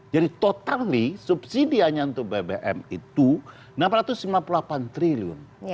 jadi totalnya subsidi hanya untuk bbm itu enam ratus sembilan puluh delapan triliun